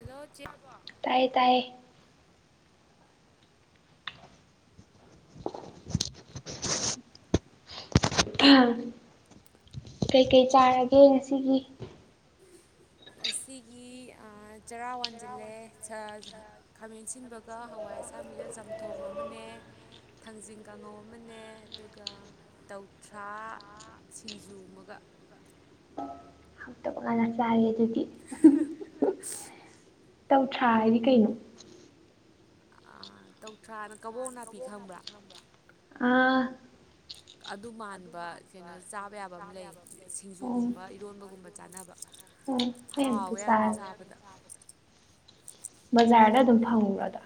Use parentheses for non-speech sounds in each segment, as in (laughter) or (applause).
Hello ꯆꯦ꯫ ꯇꯥꯏꯌꯦ ꯇꯥꯏꯌꯦ (unintelligible) ꯀꯩꯀꯩ ꯆꯥꯔꯒꯦ ꯉꯁꯤꯒꯤ ꯑꯁꯤꯒꯤ ꯆꯔꯥ ꯋꯥꯟꯖꯤꯜꯂꯦ ꯁꯥ ꯁꯥ ꯈꯥꯃꯦꯟ ꯑꯁꯤꯟꯕꯒ ꯍꯋꯥꯏ ꯑꯁꯥꯡꯕꯤꯒ ꯆꯝꯊꯣꯡ ꯑꯃꯅꯦ ꯊꯥꯡꯖꯤꯡ ꯀꯥꯡꯉꯧ ꯑꯃꯅꯦ ꯑꯗꯨꯒ ꯇꯧꯊ꯭ꯔꯥ ꯁꯤꯡꯖꯨ ꯑꯃꯒ ꯍꯥꯟꯅ ꯆꯥꯔꯦ ꯑꯗꯨꯗꯤ (unintelligible) ꯇꯧꯊ꯭ꯔꯥ ꯍꯥꯏꯗꯤ ꯀꯩꯅꯣ ꯇꯧꯊ꯭ꯔꯥꯅ ꯀꯕꯣꯛ ꯅꯥꯄꯤ ꯈꯪꯕ꯭ꯔꯥ ꯑꯥ ꯑꯗꯨ ꯃꯅꯕ ꯆꯥꯕ ꯌꯥꯕ ꯑꯃ ꯂꯩ ꯎꯝ ꯁꯤꯡꯖꯨꯒꯨꯝꯕ ꯏꯔꯣꯝꯕꯒꯨꯝꯕ ꯆꯥꯅꯕ ꯎꯝ ꯑꯩ ꯑꯝꯇꯥ ꯍꯥꯎꯋꯦ ꯌꯥꯝꯅ ꯆꯥꯗꯔꯤ ꯍꯥꯎꯋꯦ ꯆꯥꯕꯗ ꯌꯥꯝꯅ ꯕꯖꯥꯔꯗ ꯑꯗꯨꯝ ꯐꯪꯉꯨꯔꯗ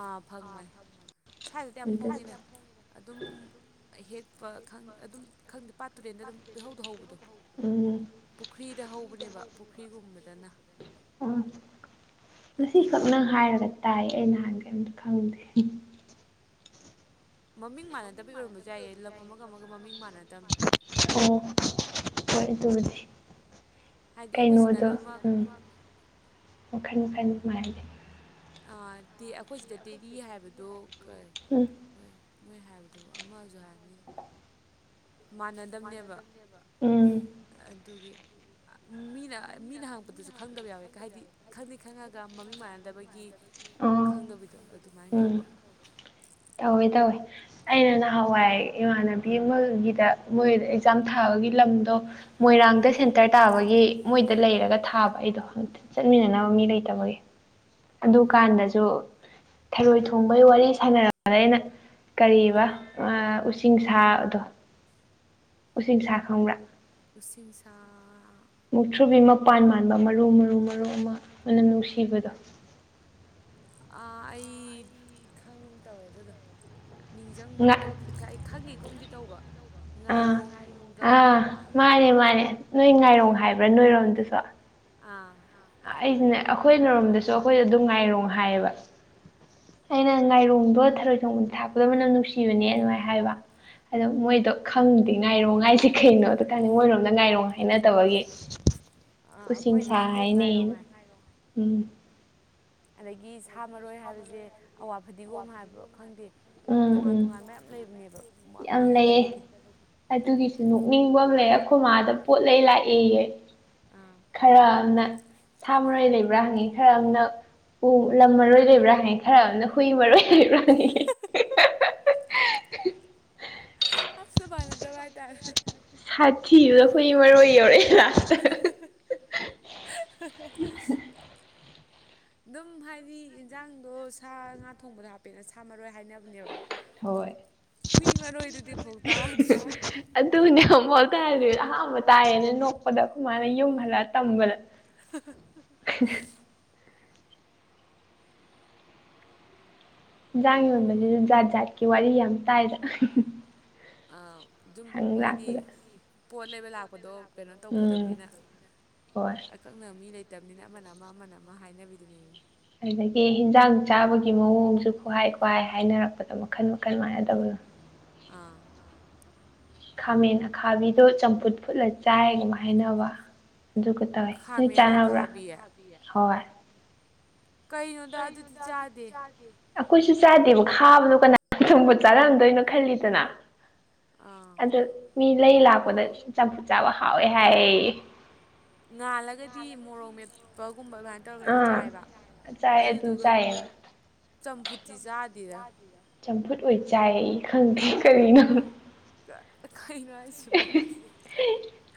ꯑꯥ ꯐꯪꯕꯅꯦ ꯁ꯭ꯋꯥꯏꯗꯗꯤ ꯌꯥꯝ ꯁ꯭ꯋꯥꯏꯗ ꯍꯣꯡꯉꯤꯗ ꯑꯗꯨꯝ ꯍꯦꯛꯄ ꯑꯗꯨꯝ ꯈꯪꯗꯦ ꯄꯥꯠꯇꯨꯔꯦꯟꯗ ꯑꯗꯨꯝ ꯄꯤꯍꯧꯗꯍꯧꯕꯗꯣ ꯎꯝ ꯄꯨꯈ꯭ꯔꯤꯗ ꯍꯧꯕꯅꯦꯕ ꯄꯨꯈ꯭ꯔꯤꯒꯨꯝꯕꯗꯅ ꯑ ꯑꯗꯨꯗꯣ ꯉꯁꯤꯈꯛꯅꯪ ꯍꯥꯏꯔꯒ ꯇꯥꯏ ꯑꯩ ꯅꯍꯥꯟꯒꯩ ꯑꯝꯇ ꯈꯪꯗꯦ ꯃꯃꯤꯡ ꯃꯥꯟꯅꯗꯕ ꯏ ꯑꯣꯏꯔꯝꯕꯁꯨ ꯌꯥꯏꯌꯦ ꯂꯝ ꯑꯃꯒ ꯑꯃꯒ ꯃꯃꯤꯡ ꯃꯥꯟꯅꯗꯕ ꯑꯣ ꯍꯣꯏ ꯑꯗꯨꯕꯨꯗꯤ ꯍꯥꯏꯗꯤ ꯑꯩꯈꯣꯏ ꯁꯤꯗꯅ ꯀꯩꯅꯣꯗꯣ ꯑꯃ ꯎꯝ ꯃꯈꯜ ꯃꯈꯟ ꯃꯥꯖꯦ ꯑꯩꯈꯣꯏ ꯁꯤꯗ ꯇꯦꯔꯤ ꯍꯥꯏꯕꯗꯨ ꯀꯔꯤ ꯎꯝ ꯃꯣꯏ ꯃꯣꯏ ꯍꯥꯏꯕꯗꯨꯕꯨ ꯑꯃꯖꯨ ꯍꯥꯏꯕꯅꯤ ꯃꯥꯟꯅꯗꯝꯕꯅꯦꯕ ꯎꯝ ꯑꯗꯨꯒꯤ ꯃꯤꯅ ꯃꯤꯅ ꯍꯥꯡꯉꯛꯄꯗꯖꯨ ꯈꯪꯗꯕ ꯌꯥꯎꯋꯦꯀ ꯍꯥꯏꯗꯤ ꯈꯪꯗꯤ ꯈꯪꯉꯒ ꯃꯃꯤꯡ ꯃꯥꯟꯅꯗꯕꯒꯤ ꯑꯣ ꯈꯪꯗꯕꯤꯗꯣ ꯑꯗꯨꯃꯥꯏꯅ ꯎꯝ ꯇꯧꯕ ꯇꯧꯋꯦ ꯇꯧꯋꯦ ꯑꯩꯅ ꯅꯍꯥꯟꯋꯥꯏ ꯏꯃꯥꯟꯅꯕꯤ ꯑꯃꯒꯤꯗ ꯃꯣꯏ ꯑꯦꯛꯖꯥꯝ ꯊꯥꯕꯒꯤ ꯂꯝꯗꯣ ꯃꯣꯏꯔꯥꯡꯗ ꯁꯦꯟꯇꯔ ꯇꯥꯕꯒꯤ ꯃꯣꯏꯗ ꯂꯩꯔꯒ ꯊꯥꯕ ꯑꯩꯗꯣ ꯍꯪꯛꯇꯦ ꯆꯠꯃꯤꯟꯅꯅꯕ ꯃꯤ ꯂꯩꯇꯕꯒꯤ ꯑꯗꯨꯀꯥꯟꯗꯖꯨ ꯊꯔꯣꯏ ꯊꯣꯡꯕꯒꯤ ꯋꯥꯔꯤ ꯁꯥꯟꯅꯔ ꯑꯗ ꯑꯩꯅ ꯀꯔꯤꯕ ꯑ ꯑꯨꯁꯤꯡ ꯁꯥꯗꯣ ꯎꯆꯁꯤꯡꯁ ꯈꯪꯕ꯭ꯔꯥ ꯑꯨꯁꯤꯡꯁꯥ ꯃꯨꯛꯊ꯭ꯔꯨꯕꯤ ꯃꯄꯥꯟ ꯃꯥꯟꯕ ꯃꯔꯨ ꯃꯔꯨ ꯃꯔꯨ ꯑꯃ ꯅꯨꯡꯁꯤꯕꯗꯣ ꯑ ꯑꯩ ꯈꯪꯒꯨꯝ ꯇꯧꯋꯦ ꯑꯗꯨꯗꯣ ꯅꯤꯡꯖꯪꯕꯗꯤ ꯉꯥ ꯊꯣꯛꯇ꯭ꯔꯦ ꯀꯥꯏ ꯈꯪꯒꯤꯒꯨꯝꯗꯤ ꯇꯧꯕ ꯉꯥꯏꯔꯣꯡꯒ ꯍꯥꯏꯐꯦꯠ ꯃ ꯃꯦ ꯃꯥꯅꯦ ꯅꯣꯏ ꯉꯥꯏꯔꯣꯡ ꯍꯥꯏꯕ꯭ꯔꯥ ꯅꯣꯏꯔꯣꯝꯗꯁꯨ ꯑꯥ ꯑꯩꯁꯤꯅꯦ ꯑꯩꯈꯣꯏ ꯅꯔꯣꯝꯗꯁꯨ ꯑꯩꯈꯣꯏꯗ ꯑꯗꯨꯝ ꯉꯥꯏꯔꯣ ꯍꯥꯏꯌꯦꯕ ꯑꯩꯅ ꯉꯥꯏꯔꯣꯡꯗꯣ ꯊꯔꯣꯏ ꯊꯣꯡꯕ ꯊꯥꯛꯄꯗꯕꯅꯝ ꯅꯨꯡꯁꯤꯕꯅꯦ ꯑꯗꯨꯃꯥꯏꯅ ꯍꯥꯏꯕ ꯑꯗꯣ ꯃꯣꯏꯗꯣ ꯈꯪꯗꯦ ꯉꯥꯏꯔꯣꯡ ꯍꯥꯏꯖꯦ ꯀꯩꯅꯣꯗꯣ ꯈꯪꯗꯦ ꯃꯣꯏꯔꯣꯝꯗ ꯉꯥꯏꯔꯣ ꯍꯥꯏꯅꯗꯕꯒꯤ ꯑꯥ ꯑꯩꯈꯣꯏꯗꯖꯨ ꯍꯥꯏꯅꯦ ꯎꯝ ꯑꯗꯒꯤ ꯁꯥ ꯃꯔꯣꯏ ꯍꯥꯏꯕꯖꯦ ꯑꯋꯥ ꯐꯗꯤꯒꯣꯝ ꯍꯥꯏꯕ ꯈꯪꯗꯦ ꯎꯝ ꯇꯣꯉꯥꯟ ꯎꯝ ꯇꯣꯉꯥꯟꯕ ꯃꯌꯥꯝꯌꯥꯝ ꯂꯩꯕꯅꯦꯕ ꯌꯥꯝ ꯂꯩꯌꯦ ꯃꯥꯟꯅꯗꯕꯒꯤ ꯑꯗꯨꯒꯤꯁꯨ ꯅꯣꯛꯅꯤꯡꯕ ꯑꯃ ꯂꯩ ꯑꯩꯈꯣꯏ ꯃꯥꯗ ꯄꯣꯠꯂ ꯂꯥꯛꯑꯦꯌꯦ ꯑꯥ ꯈꯔ ꯑꯃꯅ ꯁꯥ ꯃꯔꯣꯏ ꯂꯩꯕ꯭ꯔꯥ ꯍꯪꯉꯤ ꯈꯔ ꯑꯃꯅ ꯑꯨ ꯂꯝ ꯃꯔꯣꯏ ꯂꯩꯕ꯭ꯔꯥ ꯍꯪꯉꯤ ꯈꯔ ꯑꯃꯅ ꯍꯨꯏ ꯃꯔꯣꯏ ꯂꯩꯕ꯭ꯔꯥ ꯍꯪꯉꯤ ꯍꯥꯞꯁꯨ ꯐꯅꯠꯇꯕꯥꯥꯏ ꯇꯔꯦ ꯁꯥꯊꯤꯕꯗ ꯍꯨꯏ ꯃꯔꯣꯏ ꯌꯧꯔꯛꯑꯦ ꯂꯥꯁꯇ (unintelligible) ꯑꯗꯨꯝ ꯍꯥꯏꯗꯤ ꯌꯦꯟꯖꯥꯡꯗꯣ ꯁꯥ ꯉꯥ ꯊꯣꯡꯕꯗ ꯍꯥꯞꯄꯦꯠꯅ ꯁꯥꯃꯔꯣꯏ ꯍꯥꯏꯅꯕꯅꯦꯕ ꯍꯣꯏ ꯍꯨꯏ ꯃꯔꯣꯏꯗꯨꯗꯤꯐꯥꯎ ꯇꯥꯗ꯭ꯔꯤ ꯑꯗꯨꯅꯦ ꯑꯃꯨꯛꯐꯥꯎ ꯇꯥꯗꯔꯤ ꯑꯍꯥꯟꯕ ꯇꯥꯏꯌꯦꯅ ꯅꯣꯛꯄꯗ ꯑꯈꯣꯏꯃꯥꯅ ꯌꯨꯝ ꯍꯜꯂꯛꯑ ꯇꯝꯕꯗ꯫ (unintelligible) (unintelligible) ꯏꯟꯖꯥꯡ ꯌꯣꯟꯕꯁꯤꯁꯨ ꯖꯥꯠ ꯖꯥꯠꯀꯤ ꯋꯥꯔꯤ ꯌꯥꯝ ꯇꯥꯏꯗ ꯑ ꯗꯨꯝ ꯍꯪ ꯍꯥꯏꯗꯤ ꯂꯥꯛꯄꯗ ꯄꯣꯠ ꯂꯩꯕ ꯂꯥꯛꯄꯗꯣ ꯀꯩꯅꯣ ꯎꯝ ꯇꯧꯒꯗꯕꯅꯤꯅ ꯍꯣꯏ ꯑꯀꯛꯅꯕ ꯃꯤ ꯂꯩꯇꯕꯅꯤꯅ ꯑꯃꯅ ꯑꯃ ꯑꯃꯅ ꯑꯃ ꯍꯥꯏꯅꯕꯤꯗꯨꯅꯦ ꯑꯗꯒꯤ ꯏꯟꯖꯥꯡ ꯆꯥꯕꯒꯤ ꯃꯑꯣꯡꯖꯨ ꯈꯨꯍꯥꯏ ꯈꯨꯍꯥꯏ ꯍꯥꯏꯅꯔꯛꯄꯗ ꯃꯈꯟ ꯃꯈꯟ ꯃꯥꯟꯅꯗꯕꯗꯣ꯫ ꯑꯥ ꯈꯥꯃꯦꯟ ꯑꯈꯥꯕꯤꯗꯣ ꯆꯝꯐꯨꯠ ꯐꯨꯠꯂ ꯆꯥꯏꯒꯨꯝ ꯍꯥꯏꯅꯕ ꯑꯗꯨꯈꯛꯇ ꯅꯣꯏ ꯆꯥꯅꯕ꯭ꯔꯥ ꯑꯈꯥꯕꯤ ꯍꯣꯏ ꯀꯩꯅꯣꯗ ꯑꯗꯨꯗꯤ ꯆꯥꯗꯦ ꯑꯩꯈꯣꯏꯖꯨ ꯆꯥꯗꯦꯕ ꯈꯥꯕꯗꯣ ꯀꯅꯥ ꯊꯣꯡꯕ ꯆꯥꯔꯝꯗꯣꯏꯅꯣ ꯈꯜꯂꯤꯗꯅ ꯑꯥ ꯑꯗꯨ ꯃꯤ ꯂꯩꯔ ꯂꯥꯛꯄꯗ ꯆꯝꯐꯨꯠ ꯆꯥꯕ ꯍꯥꯎꯋꯦ ꯍꯥꯏꯌꯦ ꯉꯥꯜꯂꯒꯗꯤ ꯃꯣꯔꯣꯛ ꯃꯦꯠꯄꯒꯨꯝꯕ ꯑꯗꯨꯃꯥꯏꯅ ꯇꯧꯔꯒꯗꯤ ꯑꯥ ꯆꯥꯏꯕ ꯆꯥꯏ ꯑꯗꯨ ꯑꯗꯨꯗꯨꯒ ꯆꯥꯏꯌꯦ ꯆꯝꯐꯨꯠꯇꯤ ꯆꯥꯗꯦꯔ ꯆꯝꯐꯨꯠ ꯑꯣꯏ ꯆꯥꯏ ꯑꯩ ꯈꯪꯗꯦ ꯀꯔꯤꯅꯣ ꯀꯩꯅꯣ ꯍꯥꯏꯁꯤꯕꯣ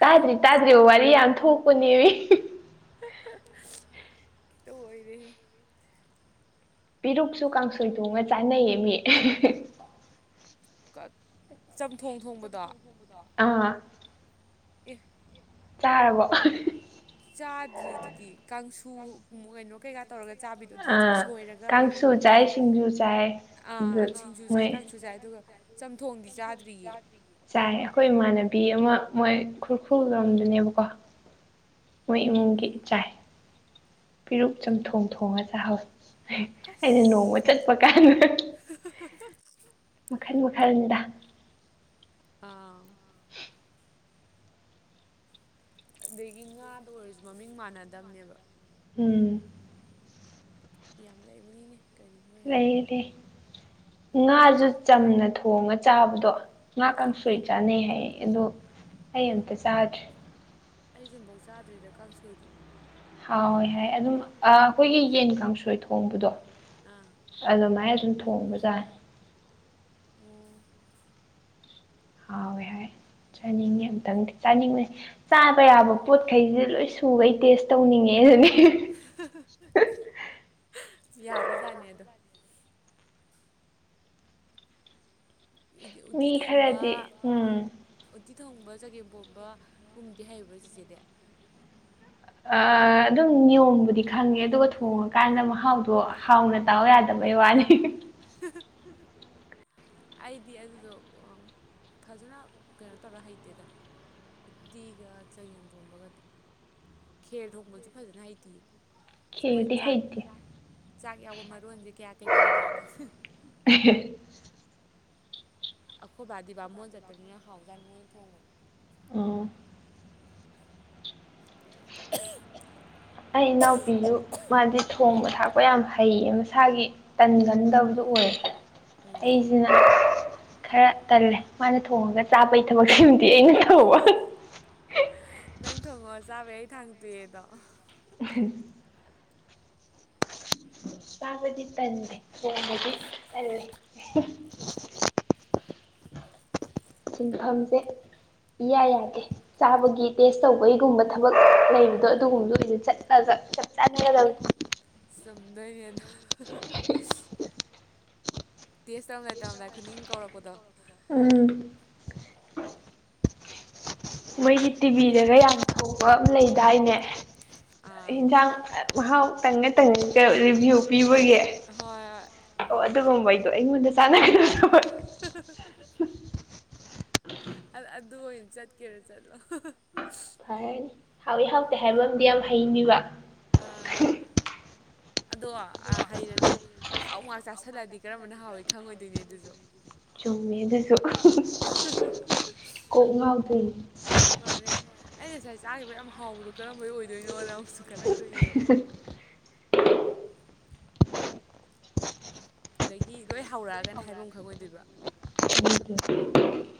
ꯇꯥꯗ꯭ꯔꯤ ꯇꯥꯗ꯭ꯔꯤꯔꯤꯕ ꯋꯥꯔꯤ ꯌꯥꯝ ꯊꯣꯛꯄꯅꯦ ꯂꯣꯏꯔꯦ ꯍꯦ ꯄꯤꯔꯨꯛꯁꯨ ꯀꯥꯡꯁꯣꯏ ꯊꯣꯡꯉ ꯆꯥꯅꯩꯌꯦ ꯃꯤ ꯀꯠ ꯆꯝꯊꯣꯡ ꯊꯣꯡꯕꯗꯣ ꯑꯥ ꯑꯦ ꯆꯥꯔꯕꯣ ꯆꯥꯗ꯭ꯔꯤꯗꯨꯗꯤ ꯀꯥꯡꯁꯨ ꯀꯩꯅꯣ ꯀꯩꯀꯥ ꯇꯧꯔꯒ ꯆꯥꯕꯤꯗꯣ ꯑꯗꯨꯗꯤ ꯆꯥꯏ ꯑꯥ ꯁꯣꯏꯔꯒ ꯀꯥꯡꯁꯨ ꯆꯥꯏ ꯐꯨꯠ ꯁꯤꯡꯖꯨ ꯆꯥꯏ ꯑꯗꯨ ꯁꯤꯡꯖꯨ ꯆꯥꯏ ꯃꯣꯏ ꯀꯥꯡꯁꯨ ꯆꯥꯏ ꯑꯗꯨꯒ ꯆꯝꯊꯣꯡꯗꯤ ꯆꯥꯗꯦ ꯆꯥꯏ ꯑꯩꯈꯣꯏ ꯏꯃꯥꯟꯅꯕꯤ ꯑꯃ ꯃꯣꯏ ꯈꯨꯔꯈꯨꯜ ꯂꯝꯗꯨꯅꯦꯕꯀꯣ ꯃꯣꯏ ꯏꯃꯨꯡꯒꯤ ꯏꯆꯥꯏ ꯄꯤꯔꯨꯛ ꯆꯝꯊꯣꯡ ꯊꯣꯡꯉ ꯆꯥꯍꯧꯋꯤ ꯑꯩꯅ ꯅꯣꯡꯃ ꯑꯁ ꯆꯠꯄ ꯀꯥꯟꯗ (unintelligible) ꯃꯈꯟ ꯃꯈꯜꯅꯤꯗ ꯑꯥ ꯑꯗꯒꯤ ꯉꯥꯗ ꯑꯣꯏꯔꯁꯨ ꯃꯃꯤꯡ ꯃꯥꯟꯅꯗꯝꯕꯅꯦꯕ ꯎꯝ ꯌꯥꯝ ꯂꯩꯕꯅꯤꯅꯦ ꯀꯔꯤ ꯃꯣꯏ ꯂꯩ ꯍꯥꯏꯕꯗꯨꯕꯨ ꯂꯩ ꯉꯥꯁꯨ ꯆꯝꯅ ꯊꯣꯡꯉ ꯆꯥꯕꯗꯣ ꯉꯥꯀ ꯁꯣꯏ ꯆꯥꯅꯩ ꯍꯥꯏꯌꯦ ꯑꯗꯣ ꯑꯩ ꯑꯃꯇꯥ ꯆꯥꯗ꯭ꯔꯤ ꯑꯩꯖꯨ ꯑꯝꯐꯧ ꯆꯥꯗ꯭ꯔꯤꯗ ꯀꯥꯡꯁꯣꯏꯗꯤ ꯍꯥꯎꯣꯏ ꯍꯥꯏ ꯑꯗꯨꯝ ꯑꯩꯈꯣꯏꯒꯤ ꯌꯦꯟ ꯀꯥꯡꯁꯣꯏ ꯊꯣꯡꯕꯗꯣ ꯑꯥ ꯑꯗꯨꯃꯥꯏꯅꯑꯗꯨꯝ ꯊꯣꯡꯕꯖꯥꯅꯤ ꯎ ꯍꯥꯎꯋꯦ ꯍꯥꯏ ꯆꯥꯅꯤꯡꯉꯦ ꯑꯝꯇꯪꯗꯤ ꯆꯥꯅꯤꯡꯉꯦ ꯆꯥꯕ ꯌꯥꯕ ꯄꯣꯠꯈꯩꯁꯦ ꯂꯣꯏ ꯁꯨꯈꯩ ꯇꯦꯁ ꯇꯧꯅꯤꯡꯉꯦ ꯑꯗꯨꯅꯤ (unintelligible) ꯌꯥꯕꯖꯥꯠꯅꯦ ꯑꯗꯣ ꯎꯠꯇꯤ ꯃꯤ ꯊꯣꯡꯕ ꯈꯔꯗꯤ ꯎꯝ ꯎꯠꯇꯤ ꯊꯣꯡꯕ ꯆꯒꯦꯝꯄꯣꯝꯕꯒꯨꯝꯗꯤ ꯍꯥꯏꯔꯤꯕ꯭ꯔꯥ ꯆꯤꯆꯦꯗꯤ ꯑꯗꯨꯝ ꯅꯤꯌꯣꯝꯕꯨꯗꯤ ꯈꯪꯉꯦ ꯑꯗꯨꯒ ꯊꯣꯡꯉꯀꯥꯟꯗ ꯃꯍꯥꯎꯗꯣ ꯍꯥꯎꯅ ꯇꯎ ꯌꯥꯗꯕꯩ ꯋꯥꯅꯤ ꯑꯩꯗꯤ ꯑꯗꯨꯗꯣ ꯐꯖꯅ ꯀꯩꯅꯣ ꯇꯧꯔ ꯍꯩꯇꯦꯗ ꯎꯠꯇꯤꯒ ꯆꯒꯦꯝ ꯄꯣꯝꯕꯒ ꯈꯦꯔ ꯊꯣꯡꯕꯁꯨ ꯐꯖꯅ ꯍꯩꯇꯌꯦ ꯃꯣꯏ ꯈꯦꯔꯗꯤ ꯆꯥꯛ ꯍꯩꯇꯦ ꯆꯥꯛ ꯌꯥꯎꯕ ꯃꯔꯣꯟꯁꯦ ꯀꯌꯥ ꯀꯩꯗꯧꯗꯦꯗ (unintelligible) ꯑꯩꯈꯣꯏ ꯕꯥꯗꯤ ꯕꯥꯝꯃꯣꯟ ꯆꯠꯄꯅꯤꯅ ꯍꯥꯎꯖꯥꯟ ꯃꯣꯏꯅ ꯊꯣꯡꯕꯅꯤ ꯑ (unintelligible) ꯑꯩ ꯏꯅꯥꯎ ꯄꯤꯌꯨ ꯃꯥꯗꯤ ꯊꯣꯡꯕ ꯊꯥꯛꯄ ꯌꯥꯝ ꯍꯩꯌꯦ ꯃꯁꯥꯒꯤ ꯇꯟꯒꯟꯗꯕꯗꯣ ꯑꯣꯏꯌꯦ ꯎꯝ ꯑꯩꯁꯤꯅ ꯈꯔ ꯇꯜꯂꯦ ꯃꯥꯅ ꯊꯣꯡꯉꯒ ꯆꯥꯕꯒꯤ ꯊꯕꯛꯁꯤꯃ ꯑꯩꯅ ꯀꯧꯕꯧꯕ ꯅꯪ ꯊꯣꯡꯉꯣ ꯆꯥꯕ ꯑꯩ ꯊꯥꯡ ꯇꯨꯏꯦꯗꯣ (unintelligible) (unintelligible) ꯇꯞꯗꯦ ꯇꯜꯂꯦ ꯁꯤꯟꯐꯝꯁꯦ ꯏꯌꯥ ꯌꯥꯗꯦ ꯆꯥꯕꯒꯤ ꯇꯦꯁ ꯇꯧꯕꯒꯤꯒꯨꯝꯕ ꯊꯕꯛ ꯂꯩꯕꯗꯣ ꯑꯗꯨꯒꯨꯝꯕꯗꯣ ꯆꯠꯂꯒ ꯆꯞ ꯆꯠꯅꯤꯗ (unintelligible) ꯁꯧꯗꯔꯌꯥꯗ ꯇꯦꯁ ꯇꯧꯔꯝꯗꯥꯏ ꯇꯧꯔꯝꯗꯥꯏ ꯈꯨꯅꯤꯡ ꯀꯧꯔꯛꯄꯗꯣ ꯎꯝ ꯃꯣꯏꯒꯤ ꯇꯤꯚꯤꯗꯒ ꯌꯥꯝ ꯊꯧꯕ ꯑꯃ ꯂꯩꯗꯥꯏꯅꯦ ꯑꯥ ꯏꯟꯁꯥꯡ ꯃꯍꯥꯎ ꯇꯪꯒ ꯇꯪꯒ ꯔꯤꯚꯤꯌꯨ ꯄꯤꯕꯒꯦ ꯍꯣꯏ ꯍꯣꯏ ꯑꯣ ꯑꯗꯨꯒꯨꯝꯕꯩꯗꯣ ꯑꯩꯉꯣꯟꯗ ꯆꯥꯟꯅꯈꯤꯗꯁꯨ (unintelligible) ꯑꯗꯨ ꯑꯣꯏꯅ ꯆꯠꯀꯦꯔꯥ ꯆꯠꯂꯣ ꯐꯔꯅꯤ ꯍꯥꯎꯏꯤ ꯍꯥꯎꯇꯦ ꯍꯥꯏꯕ ꯌꯥꯝ ꯍꯩꯅꯤꯕ ꯑꯥ ꯑꯗꯣ ꯍꯩꯔꯖꯨ ꯑꯍꯥꯎ ꯉꯥꯛ ꯆꯥꯥꯁꯜꯂꯗꯤ ꯀꯔꯝꯕꯅ ꯍꯥꯎꯏꯤ ꯈꯪꯉꯣꯏꯗꯣꯏꯅꯦ ꯑꯗꯨꯁꯨ ꯆꯨꯝꯃꯦꯗ (inaudible) (inaudible) ꯃꯥꯅꯦ ꯑꯩ ꯉꯁꯥꯏ ꯆꯥꯈꯤꯕ ꯌꯥꯝ ꯍꯥꯎꯕꯗꯣ ꯀꯔꯝꯕꯩ ꯑꯣꯏꯗꯣꯏꯅꯣꯅ ꯑꯃꯨꯛꯁꯨ ꯈꯜꯂꯛꯇꯣꯏꯅꯦꯕ ꯑꯗꯒꯤ ꯂꯣꯏ ꯍꯧꯔꯛꯑꯒꯅ ꯍꯥꯏꯐꯝ ꯑꯃ ꯈꯪꯉꯣꯏꯗꯣꯏꯕ (unintelligible)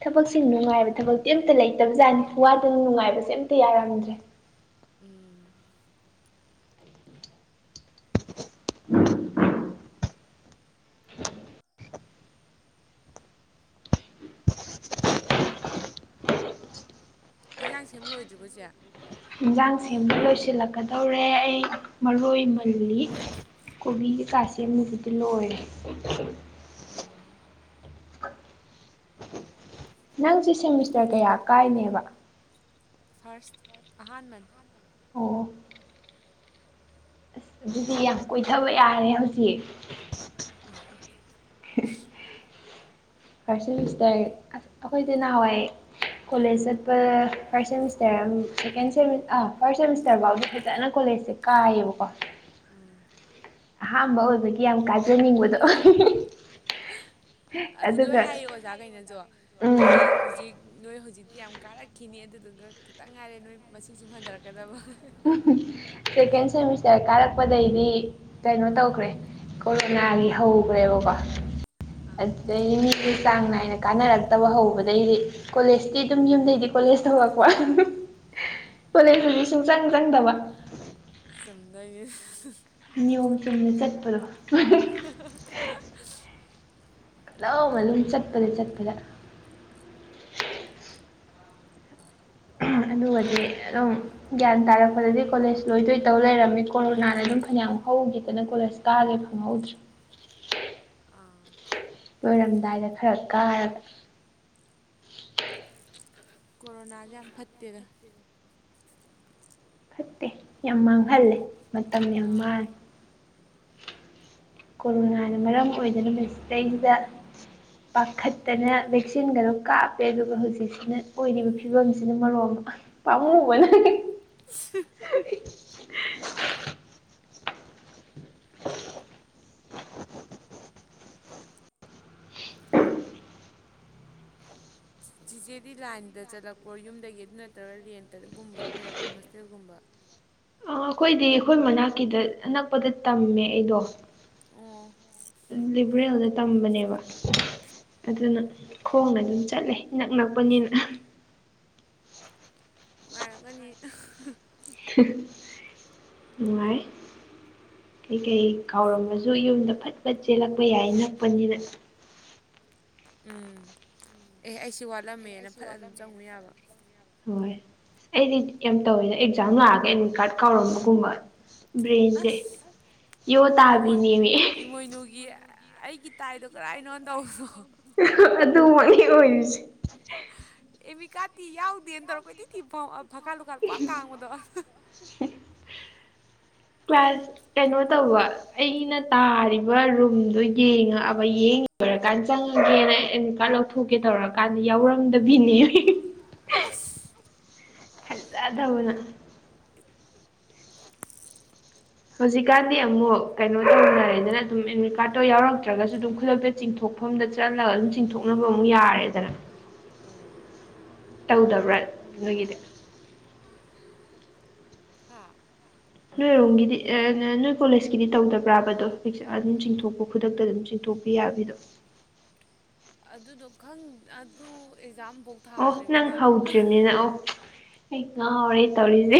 ꯊꯕꯛꯁꯦ ꯅꯨꯡꯉꯥꯏꯕ ꯊꯕꯛꯇꯤ ꯑꯝꯇ ꯂꯩꯇꯕꯖꯥꯠꯅꯤ ꯋꯥꯗꯅ ꯅꯨꯡꯉꯥꯏꯕꯁꯦ ꯑꯝꯇ ꯌꯥꯔꯝꯗ꯭ꯔꯦ ꯎꯝ ꯏꯟꯁꯥꯡ ꯁꯦꯝꯂꯣꯏꯗ꯭ꯔꯤꯕꯁꯦ ꯌꯦꯟꯖꯥꯡ ꯁꯦꯝꯕ ꯂꯣꯏꯁꯤꯜꯂꯛꯀꯗꯧꯔꯦ ꯑꯩ ꯃꯔꯣꯏ ꯃꯜꯂꯤ ꯀꯣꯕꯤꯒꯤ ꯀꯥꯥꯁ ꯃꯨꯚꯗꯤ ꯂꯣꯏ ꯎꯝ ꯅꯪꯁꯦ ꯁꯦꯃꯤꯁꯇꯔ ꯀꯌꯥ ꯀꯥꯏꯅꯦꯕ ꯐꯥꯔꯁ ꯑꯍꯥꯟꯕꯟꯅꯦ ꯑꯣ ꯑꯁ ꯑꯗꯨꯗꯤ ꯌꯥꯝ ꯀꯣꯏꯊꯕ ꯌꯥꯔꯦ ꯍꯧꯖꯤꯛ (unintelligible) ꯐꯥꯔꯁꯁꯇꯔ ꯑꯁ ꯑꯩꯈꯣꯏꯁꯦ ꯅꯍꯥꯟꯋꯥꯏ ꯀꯣꯂꯦꯖ ꯆꯠꯄ first semester second first semester ꯐꯥꯎꯗꯤ ꯐꯖꯅ ꯀꯣꯂꯦꯖꯁꯦ ꯀꯥꯏꯌꯦꯕꯀꯣ ꯎꯝ ꯑꯍꯥꯥꯟꯕ ꯑꯣꯏꯕꯒꯤ ꯌꯥꯝ ꯀꯥꯖꯅꯤꯡꯕꯗꯣ ꯑꯗꯨ ꯂꯣꯏ ꯑꯗꯨꯒ ꯍꯥꯏ ꯑꯣꯖꯥꯒꯩꯅꯖꯨ ꯎꯝ ꯅꯣꯏ ꯍꯨꯖꯤꯛ ꯅꯣꯏ ꯍꯧꯖꯤꯛꯇꯤ ꯌꯥꯝ ꯀꯥꯔꯛꯈꯤꯅꯤ ꯑꯗꯨꯗꯨꯒ ꯈꯤꯇꯪ ꯉꯥꯏꯔꯦ ꯅꯣꯏ ꯃꯁꯤꯡꯁꯨꯨꯝ ꯍꯟꯗꯔꯛꯀꯗꯕ ꯁꯦꯀꯦꯟ ꯁꯦꯃꯤꯁꯇꯔ ꯀꯥꯔꯛꯄꯗꯩꯗꯤ ꯀꯩꯅꯣ ꯇꯧꯈ꯭ꯔꯦ ꯀꯣꯔꯣꯅꯥꯒꯤ ꯍꯧꯈ꯭ꯔꯦꯕꯀꯣ ꯑꯥ ꯑꯗꯨꯗꯩ ꯆꯥꯡ ꯅꯥꯏꯅ ꯀꯥꯟꯅꯔꯛꯇꯕ ꯍꯧꯕꯗꯒꯤꯩꯗꯤ ꯀꯣꯂꯦꯖꯇꯤ ꯑꯗꯨꯝ ꯌꯨꯝꯗꯒꯤꯩꯗꯤ ꯀꯣꯂꯦꯖ ꯇꯧꯔꯛꯄ ꯀꯣꯂꯦꯖ ꯐꯪꯉꯤ ꯁꯨꯡꯆꯪ ꯆꯪꯗꯕ ꯆꯨꯝꯗꯣꯏꯅꯦ ꯅꯤꯌꯣꯝ ꯆꯨꯝꯅ ꯆꯠꯄꯗꯣ (inaudible) ꯂꯣꯟꯅ ꯗꯨꯝ ꯆꯠꯄꯗ ꯆꯠꯄꯗ ꯑꯗꯨꯒꯗꯤ ꯑꯗꯨꯝ ꯒ꯭ꯌꯥꯟ ꯇꯥꯔꯛꯄꯗꯗꯤ ꯀꯣꯂꯦꯖ ꯂꯣꯏꯗꯣꯏ ꯇꯧ ꯂꯩꯔꯝꯃꯤ ꯀꯣꯔꯣꯅꯥꯗ ꯑꯗꯨꯝ ꯐꯅꯌꯥꯝ ꯍꯧꯈꯤꯗꯅ ꯀꯣꯂꯦꯖ ꯀꯥꯒꯦ ꯐꯪꯍꯧꯗ꯭ꯔꯤ ꯑꯥ ꯂꯣꯏꯔꯝꯗꯥꯏꯗ ꯈꯔ ꯀꯥꯔꯒ ꯀꯣꯔꯣꯅꯥꯁꯦ ꯌꯥꯝ ꯐꯠꯇꯦꯗ ꯐꯠꯇꯦ ꯌꯥꯝ ꯃꯥꯡꯍꯜꯂꯦ ꯃꯇꯝ ꯌꯥꯝ ꯑꯥ ꯃꯥꯡꯉꯦ ꯀꯣꯔꯣꯅꯥꯅ ꯃꯔꯝ ꯑꯣꯏꯗꯨꯅ ꯃꯁꯤꯗꯩꯗ ꯄꯥꯈꯠꯇꯅ ꯚꯦꯛꯁꯤꯟꯒꯗꯣ ꯀꯥꯞꯄꯦ ꯑꯗꯨꯒ ꯍꯧꯖꯤꯛꯁꯤꯅ ꯑꯣꯏꯔꯤꯕ ꯐꯤꯕꯝꯁꯤꯅ ꯃꯔꯣꯝꯃꯥ ꯄꯃꯨꯕꯅ ꯆꯤꯆꯦꯗꯤ ꯂꯥꯏꯟꯗ ꯆꯠꯂꯛꯄ꯭ꯔꯣ ꯌꯨꯝꯗꯒꯤ ꯑꯗꯨ ꯅꯠꯇ꯭ꯔꯒ ꯔꯦꯟꯇꯒꯨꯝꯕꯗ ꯂꯩꯔꯛꯄ꯭ꯔꯣ ꯍꯣꯁꯇꯦꯜꯒꯨꯝꯕ ꯑ ꯑꯩꯈꯣꯏꯗꯤ ꯑꯩꯈꯣꯏ ꯃꯅꯥꯛꯀꯤꯗ ꯑꯅꯛꯄꯗ ꯇꯝꯃꯦ ꯑꯩꯗꯣ ꯑꯥ ꯂꯤꯕꯔꯦꯜꯗ ꯇꯝꯕꯅꯦꯕ ꯑꯗꯨꯅ ꯈꯣꯡꯅ ꯑꯗꯨꯝ ꯆꯠꯂꯦ ꯅꯛ ꯅꯛꯄꯅꯤꯅ ꯅꯨꯡꯉꯥꯏꯔꯒꯅꯤ ꯅꯨꯡꯉꯥꯏ ꯀꯩ ꯀꯩ ꯀꯥꯎꯔꯝꯃꯁꯨ ꯌꯨꯝꯗ ꯐꯠ ꯐꯠ ꯆꯦꯜꯂꯛꯄ ꯌꯥꯏ ꯅꯛꯄꯅꯤꯅ ꯎꯝ ꯑꯦ ꯑꯩꯁꯤ ꯋꯥꯠꯂꯝꯃꯦꯅ ꯐꯠ ꯑꯗꯨꯝ ꯆꯪꯉꯨ ꯌꯥꯕ ꯍꯣꯏꯁ ꯑꯩꯗꯤ ꯌꯥꯝ ꯇꯧꯋꯦꯗ ꯑꯦꯛꯖꯥꯝ ꯂꯥꯛꯑꯒ ꯑꯦꯗꯃꯤꯠ ꯀꯥꯔꯗ ꯀꯥꯎꯔꯝꯕꯒꯨꯝꯕ ꯕ꯭ꯔꯦꯟꯁꯦ ꯑꯁ ꯌꯣ ꯏꯃꯣꯏ ꯇꯥꯕꯤꯅꯦꯃꯤ ꯏꯃꯣꯏꯅꯨꯒꯤ ꯑꯩꯒꯤ ꯇꯥꯏꯗꯣ ꯀꯔꯥꯏꯅꯣ ꯇꯧꯕꯗꯣ ꯑꯗꯨꯃꯛꯅꯤ ꯑꯣꯏꯔꯤꯁꯦ ꯑꯦꯃꯤꯀꯥꯇꯤ ꯌꯥꯎꯗꯦꯅ ꯇꯧꯔꯣꯀꯣ ꯏꯇꯤ ꯊꯤ ꯚꯥꯀꯥꯜ ꯂꯨꯀꯥꯜ ꯄꯥꯛ ꯇꯥꯡꯕꯗꯣ ꯀ꯭ꯂꯥꯁ ꯀꯩꯅꯣ ꯇꯧꯕ ꯑꯩꯅ ꯇꯥꯔꯤꯕ ꯔꯨꯝꯗꯨꯣ ꯌꯦꯡꯉꯑꯕ ꯌꯦꯡ ꯂꯣꯏꯔꯀꯥꯟꯗ ꯆꯪꯉꯒꯦꯅ ꯑꯩ ꯏꯀꯥꯟ ꯂꯧꯊꯣꯛꯀꯦ ꯇꯧꯔꯛꯒ ꯀꯥꯟꯗ ꯌꯥꯎꯔꯝꯗꯕꯤꯅꯦ ꯑꯁ ꯐꯖꯗꯕꯅ ꯍꯧꯖꯤꯛꯀꯥꯟꯗꯤ ꯑꯃꯨꯛ ꯀꯩꯅꯣ ꯇꯧꯅ ꯍꯥꯏꯗꯅ ꯑꯗꯨꯝ ꯑꯦꯗꯃꯤꯠ ꯀꯥꯔꯠꯇꯣ ꯌꯥꯎꯔꯛꯇ꯭ꯔꯒꯁꯨ ꯑꯗꯨꯝ ꯈꯨꯗꯛꯇ ꯆꯤꯡꯊꯣꯛꯐꯝꯗ ꯆꯠꯂꯒ ꯑꯗꯨꯝ ꯆꯤꯡꯊꯣꯛꯅꯕ ꯑꯃꯨꯛ ꯌꯥꯔꯦꯗꯅ ꯎꯝ ꯇꯧꯗꯕ꯭ꯔꯥ ꯅꯣꯏꯒꯤꯗꯤ ꯍꯥꯥ ꯅꯣꯏꯔꯣꯝꯒꯤꯗꯤ ꯅꯣꯏ ꯀꯣꯂꯦꯖꯀꯤꯗꯤ ꯇꯧꯗꯕ꯭ꯔꯥꯕꯗꯣ ꯑꯗꯨꯝ ꯆꯤꯡꯊꯣꯛꯄ ꯈꯨꯗꯛꯇ ꯑꯗꯨꯝ ꯆꯤꯡꯊꯣꯛꯄ ꯌꯥꯕꯤꯗꯣ ꯑꯗꯨꯗꯣ ꯈꯪ ꯑꯗꯨ ꯑꯦꯛꯖꯥꯝ ꯕꯧ ꯑꯣ ꯅꯪ ꯍꯧꯗ꯭ꯔꯤꯕꯅꯤꯅ ꯑꯣ ꯑꯩ ꯉꯥꯎꯔꯦ ꯇꯧꯔꯤꯖꯦ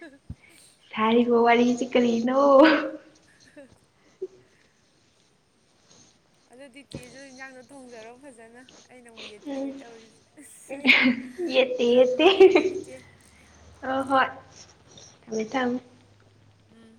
ꯍꯩ ꯍꯨ ꯁꯥꯔꯤꯕ ꯋꯥꯔꯤꯖꯦ ꯀꯔꯤꯅꯣ (unintelligible) ꯑꯗꯣ (unintelligible) ꯍꯦꯟꯖꯥꯡꯗꯣ ꯊꯣꯡꯖꯔꯣ ꯐꯖꯅ ꯑꯩꯅ ꯑꯃꯨꯛ ꯎꯝ ꯌꯦꯠꯄꯤꯔꯦ ꯇꯧꯔꯤꯖꯦ ꯎꯝ ꯌꯦꯠꯇꯦ ꯌꯦꯠꯇꯦ ꯊꯝꯃꯒꯦ ꯑꯗꯨꯗꯤ ꯆꯦ ꯍꯣꯏ ꯊꯝꯃꯦ ꯊꯝ ꯎꯝ